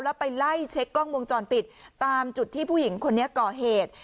แล้วไปไล่เช็คกล้องวงจรปิดตามจุดที่ผู้หญิงคนนี้ก่อเหตุ